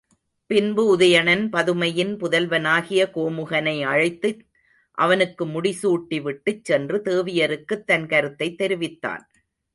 பின்பு உதயணன் பதுமையின் புதல்வனாகிய கோமுகனை அழைத்து அவனுக்கு முடிசூட்டிவிட்டுச் சென்று தேவியருக்குத் தன் கருத்தைத் தெரிவித்தான்.